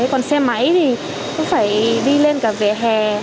còn xe máy thì cũng phải đi lên cả vỉa hè